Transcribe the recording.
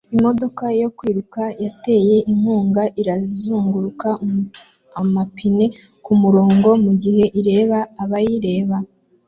Imodoka yo kwiruka yatewe inkunga irazunguruka amapine kumurongo mugihe ireba abayireba